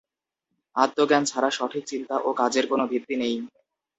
আত্মজ্ঞান ছাড়া সঠিক চিন্তা ও কাজের কোনো ভিত্তি নেই।